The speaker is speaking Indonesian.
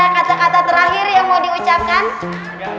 kacing krim lagi bernang